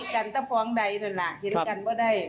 กันถ้าฟ้องใดนั่นน่ะเห็นกันว่าได้